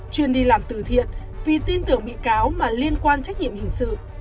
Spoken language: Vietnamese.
chuyên đi làm từ thiện vì tin tưởng bị cáo mà liên quan trách nhiệm hình sự